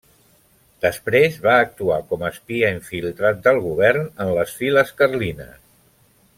Després va actuar com a espia infiltrat del govern en les files carlines.